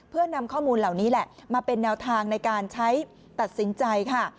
เพื่อนำข้อมูลเหล่านี้แหละมาเป็นแนวทางในการใช้ตัดสินใจค่ะ